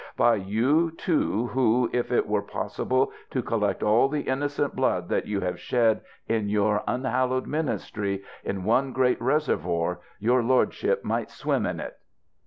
By you too, who, if it were possible to collect all the innocent blood that you have shed in your unhallowed ministry, in one great reservoir, your lordship might swim in it.